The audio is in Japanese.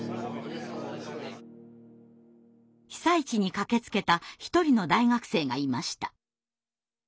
被災地に駆けつけた一人の大学生がいました。